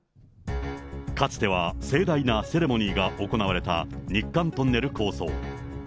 かつては盛大なセレモニーが行われた、日韓トンネル構想。